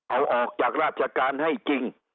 เอาออกจากราชการให้จริง